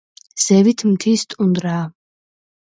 ზევით მთის ტუნდრაა.